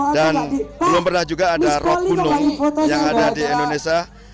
dan belum pernah juga ada rock gunung yang ada di indonesia